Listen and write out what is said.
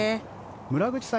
村口さん